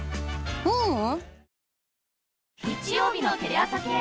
ううん。